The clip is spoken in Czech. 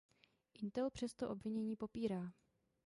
Intel přesto obvinění popírá.